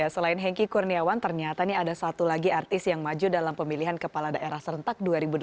selain hengki kurniawan ternyata ini ada satu lagi artis yang maju dalam pemilihan kepala daerah serentak dua ribu delapan belas